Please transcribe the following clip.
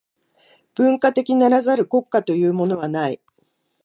文化的ならざる国家というものはない。